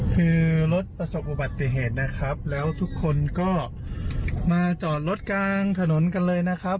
คือรถประสบอุบัติเหตุนะครับแล้วทุกคนก็มาจอดรถกลางถนนกันเลยนะครับ